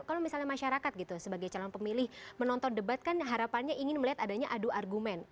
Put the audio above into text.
kalau misalnya masyarakat gitu sebagai calon pemilih menonton debat kan harapannya ingin melihat adanya adu argumen